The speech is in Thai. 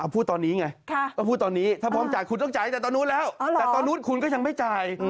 พูดตอนนี้ไงก็พูดตอนนี้ถ้าพร้อมจ่ายคุณต้องจ่ายแต่ตอนนู้นแล้วแต่ตอนนู้นคุณก็ยังไม่จ่าย